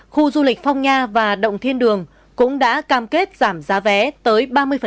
khu du lịch phong nha và động thiên đường cũng đã cam kết giảm giá vé tới ba mươi